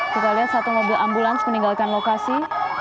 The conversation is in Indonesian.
kita lihat satu mobil ambulans meninggalkan lokasi